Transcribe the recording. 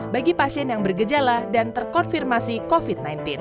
bagi pasien yang bergejala dan terkonfirmasi covid sembilan belas